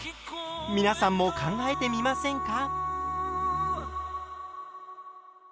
皆さんも考えてみませんか？